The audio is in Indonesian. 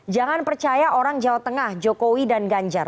jangan percaya orang jawa tengah jokowi dan ganjar